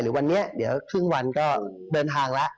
วันนี้เดี๋ยวครึ่งวันก็เดินทางแล้ว